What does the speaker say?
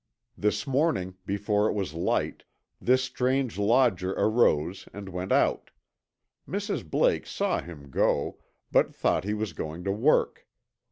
This morning, before it was light, this strange lodger arose and went out. Mrs. Blake saw him go, but thought he was going to work.